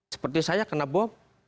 seperti saya kenapa